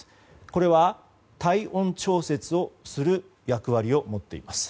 これは体温調節をする役割を持っています。